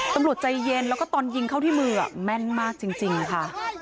ตำรวจใจเย็นแล้วก็ตอนยิงเข้าที่มือแม่นมากจริงค่ะ